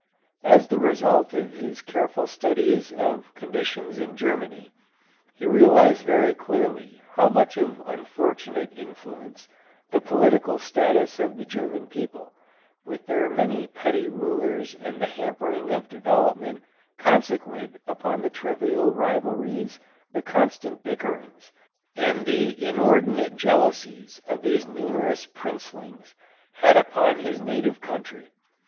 As the result of his careful studies of conditions in Germany, he realized very clearly how much of unfortunate influence the political status of the German people, with their many petty rulers and the hampering of development consequent upon the trivial rivalries, the constant bickerings, and the inordinate jealousies of these numerous princelings, had upon his native country.